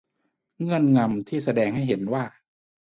เงื่อนงำที่แสดงให้เห็นว่า